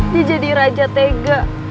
dia jadi raja tega